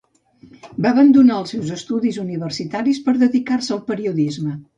Va abandonar els seus estudis universitaris per dedicar-se al periodisme.